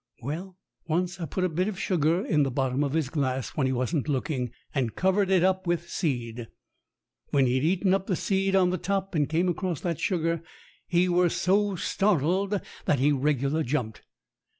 Well, once I put a bit of sugar in the bottom of his glass, when he wasn't looking, and cov ered it up with seed. When he'd eaten up the seed on the top, and come across that sugar, he were so startled that he regular jumped.